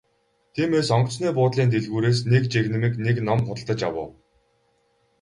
Тиймээс онгоцны буудлын дэлгүүрээс нэг жигнэмэг нэг ном худалдаж авав.